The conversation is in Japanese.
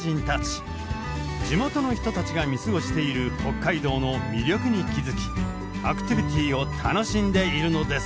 地元の人たちが見過ごしている北海道の魅力に気付きアクティビティーを楽しんでいるのです。